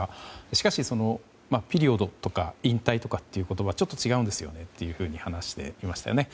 しかし、ピリオドとか引退とかっていう言葉はちょっと違うんですよねと話していましたよね。